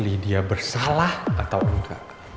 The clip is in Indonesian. lydia bersalah atau enggak